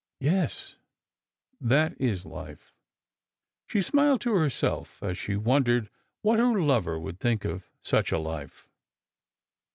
Yes, that is life !" She smiled to herself as she wondered what her lover would think of such a life.